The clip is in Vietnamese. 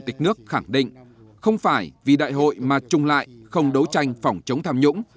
tịch nước khẳng định không phải vì đại hội mà trùng lại không đấu tranh phòng chống tham nhũng